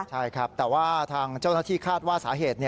ใช่ครับแต่ว่าทางเจ้าหน้าที่คาดว่าสาเหตุ